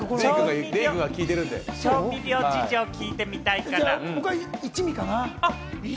調味料事情を聞いてみたいから。